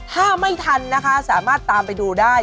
ถ้าไม่ทันนะคะสามารถตามไปดูได้